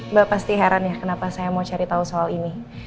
mbak pasti heran ya kenapa saya mau cari tahu soal ini